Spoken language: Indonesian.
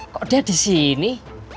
kok dia disini